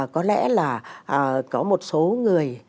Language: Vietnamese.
có lẽ là có một số người